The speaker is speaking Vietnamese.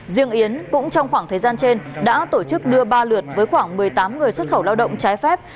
riêng yến cũng trong khoảng thời gian trên đã tổ chức đưa ba lượt với khoảng một mươi tám người xuất khẩu lao động trái phép